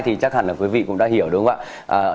thì chắc hẳn là quý vị cũng đã hiểu đúng không ạ